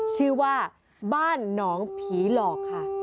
ชื่อว่าบ้านหนองผีหลอกค่ะ